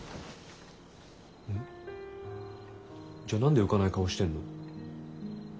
じゃあ何で浮かない顔してんの？